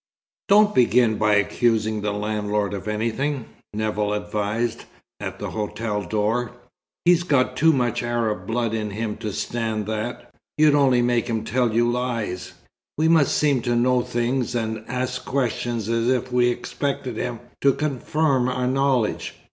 XIV "Don't begin by accusing the landlord of anything," Nevill advised, at the hotel door. "He's got too much Arab blood in him to stand that. You'd only make him tell you lies. We must seem to know things, and ask questions as if we expected him to confirm our knowledge.